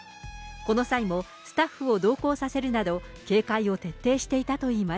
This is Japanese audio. この際もスタッフを同行させるなど、警戒を徹底していたといいま